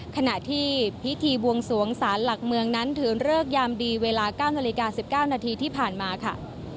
ขณะที่พิธีบวงสวงศาลหลักเมืองนั้นถือเลิกยามดีเวลา๙นาฬิกา๑๙นาทีที่ผ่านมาค่ะ